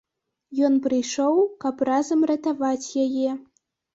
Ён прыйшоў, каб разам ратаваць яе.